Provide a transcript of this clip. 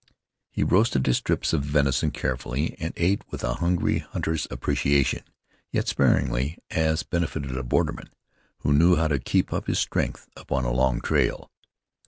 He roasted his strips of venison carefully, and ate with a hungry hunter's appreciation, yet sparingly, as befitted a borderman who knew how to keep up his strength upon a long trail.